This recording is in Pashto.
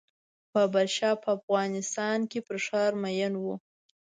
بابر شاه په افغانستان کې پر ښار مین و.